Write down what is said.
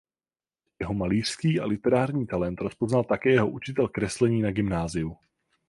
Jeho malířský a literární talent rozpoznal také jeho učitel kreslení na gymnáziu.